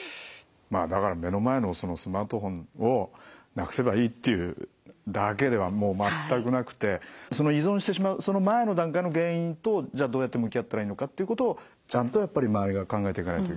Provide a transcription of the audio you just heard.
だから目の前のスマートフォンをなくせばいいっていうだけではもう全くなくてその依存してしまうその前の段階の原因とじゃあどうやって向き合ったらいいのかっていうことをちゃんとやっぱり周りが考えていかないといけないっていうことなんですね。